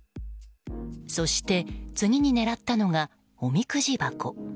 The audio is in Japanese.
そして、次に狙ったのがおみくじ箱。